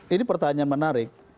ini pertanyaan menarik